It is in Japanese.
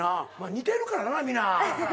似てるからな皆。